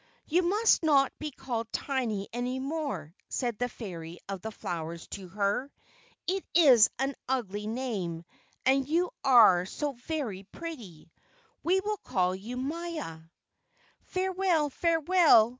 "You must not be called Tiny any more," said the Fairy of the flowers to her. "It is an ugly name, and you are so very pretty. We will call you Maia." "Farewell! Farewell!"